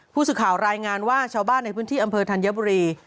ผู้สื่อข่าวรายงานว่าชาวบ้านในพื้นที่อำเภอธัญบุรี